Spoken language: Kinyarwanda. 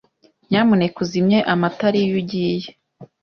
Nyamuneka uzimye amatara iyo ugiye.